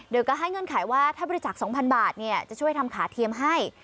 โดยก็ให้เงื่อนไขว่าถ้าบริจาค๒๐๐บาทจะช่วยทำขาเทียมให้